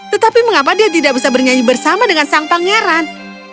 tetapi mengapa dia tidak bisa bernyanyi bersama dengan sang pangeran